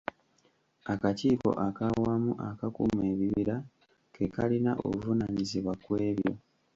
Akakiiko ak'awamu akakuuma Ebibira ke kalina obuvunaanyizibwa ku ebyo.